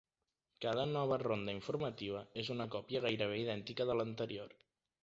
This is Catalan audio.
Cada nova ronda informativa és una còpia gairebé idèntica de l'anterior.